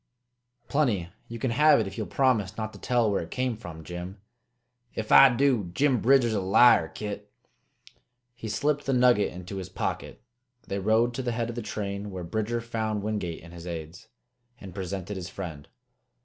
"Plenty! You can have it if you'll promise not to tell where it came from, Jim." "If I do, Jim Bridger's a liar, Kit!" He slipped the nugget into his pocket. They rode to the head of the train, where Bridger found Wingate and his aids, and presented his friend.